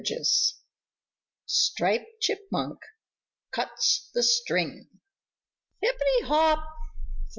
XVII STRIPED CHIPMUNK CUTS THE STRING "Hippy hop!